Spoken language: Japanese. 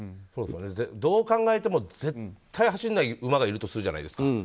どう考えても絶対走らない馬がいるとするじゃないですか。